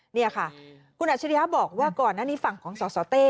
นี่ค่ะคุณอัจฉริยะบอกว่าก่อนหน้านี้ฝั่งของสสเต้